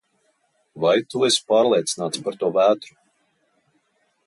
Vai tu esi pārliecināts par to vētru?